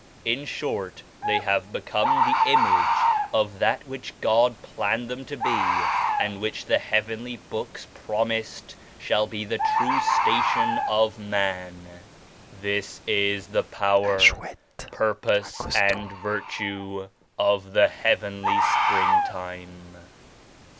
In short, they have become the image of that which God planned them to be and which the Heavenly Books promised shall be the true sta tion of Man. This is the power, purpose and virtue of the Heavenly Springtime."